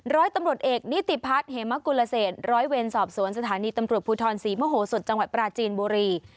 ร้อยตำรวจเอกนิติพัฒน์เหมกุลเศษร้อยเวรสอบสวนสถานีตำรวจภูทรศรีมโหสดจังหวัดปราจีนบุรี